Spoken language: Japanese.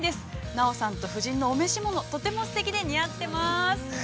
奈央さんと夫人のお召し物、とてもすてきで、似合ってます。